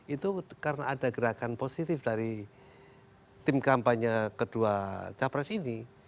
itu karena ada gerakan positif dari tim kampanye kedua capres ini